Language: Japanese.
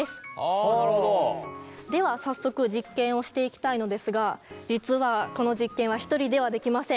では早速実験をしていきたいのですが実はこの実験は１人ではできません。